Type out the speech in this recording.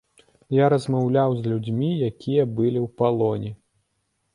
Я размаўляў з людзьмі, якія былі ў палоне.